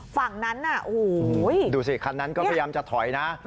ฝั่งนั้นน่ะโอ้โหดูสิคันนั้นก็พยายามจะถอยนะ